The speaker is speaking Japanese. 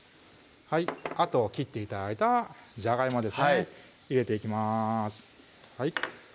あと切って頂いたじゃがいもですね入れていきます